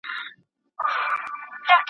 دومار د پانګې او تولید اړیکه بیانوله.